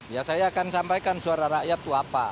ya saya akan sampaikan suara rakyat itu apa